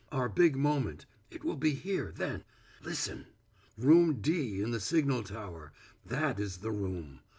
Our big moment it will be here then! Listen! Room D in the signal tower that is the room.